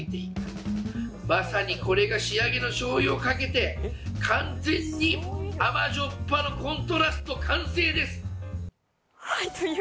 仕上げにしょうゆをかけて、完璧に甘じょっぱのコントラスト完成です。